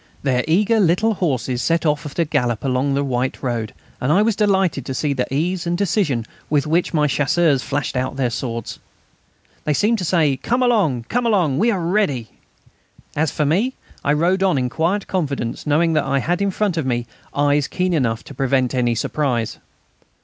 Their eager little horses set off at a gallop along the white road, and I was delighted to see the ease and decision with which my Chasseurs flashed out their swords. They seemed to say, "Come along, come along ...; we are ready." As for me, I rode on in quiet confidence, knowing that I had in front of me eyes keen enough to prevent any surprise.